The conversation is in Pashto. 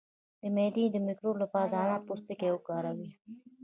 د معدې د مکروب لپاره د انار پوستکی وکاروئ